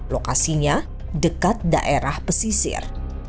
lokasinya dekat daerah pesisir